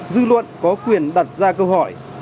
dư luận có quyền đặt ra câu hỏi